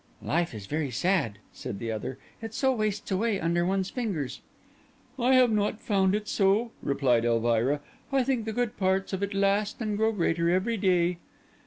"Life is very sad," said the other; "it so wastes away under one's fingers." "I have not found it so," replied Elvira. "I think the good parts of it last and grow greater every day."